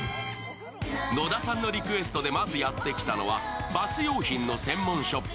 野田さんのリクエストでまずやってきたのはバス用品の専門ショップ